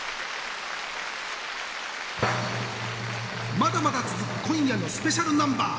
まだまだ続く今夜のスペシャルナンバー